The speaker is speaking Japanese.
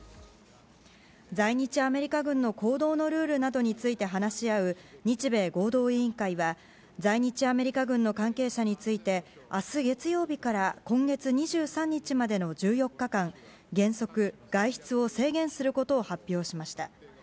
在日アメリカ軍の行動のルールなどについて話し合う日米合同委員会は在日アメリカ軍の関係者について明日月曜日から今月２３日までの１４日間原則、外出を制限することを発表しました。